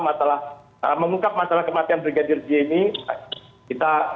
mengungkap masalah kematian brigadir jni